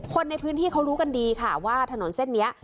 คนในพื้นที่เขารู้กันดีค่ะว่าถนนเส้นนี้